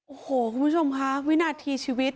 โอ้โหคุณผู้ชมค่ะวินาทีชีวิต